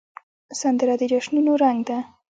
سندره د جشنونو رنګ ده